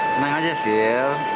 tenang aja sil